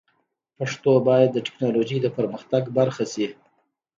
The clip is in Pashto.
پښتو باید د ټکنالوژۍ د پرمختګ برخه شي.